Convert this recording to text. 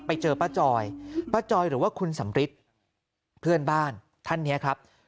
ไปเจอป้าจอยป้าจอยหรือว่าคุณสำริทเพื่อนบ้านท่านนี้ครับ